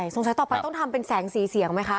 สงสัยต่อไปต้องทำเป็นแสงสีเสียงไหมคะ